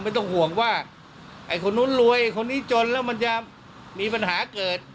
ไม่ต้องห่วงว่าไอ้คนนู้นรวยคนนี้จนแล้วมันจะมีปัญหาเกิด